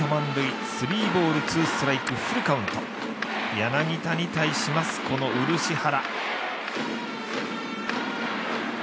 柳田に対します、この漆原。